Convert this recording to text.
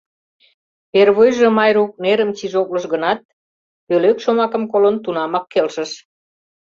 Первойжо Майрук нерым чижоклыш гынат, «пӧлек» шомакым колын, тунамак келшыш.